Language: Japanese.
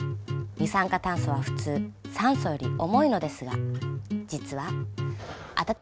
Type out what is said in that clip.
二酸化炭素は普通酸素より重いのですが実はあた。